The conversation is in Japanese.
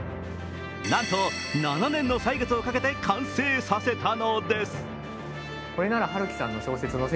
なんと７年の歳月をかけて完成させたのです。